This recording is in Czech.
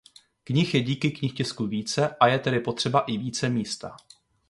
Knih je díky knihtisku více a je tedy potřeba i více místa.